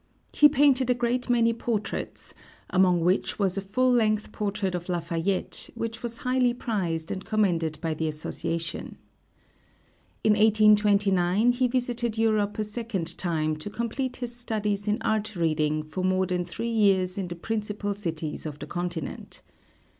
He painted a great many portraits, among which was a full length portrait of Lafayette, which was highly prized and commended by the Association. In 1829 he visited Europe a second time to complete his studies in art reading for more than three years in the principal cities of the continent.